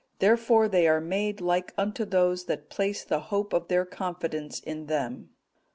Therefore they are made like unto those that place the hope of their confidence in them.